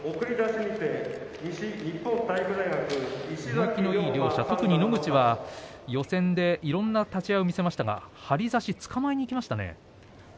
動きのいい両者、特に野口が予選でいろんな立ち合いを見せましたが張り差しつかまえにいきましたね。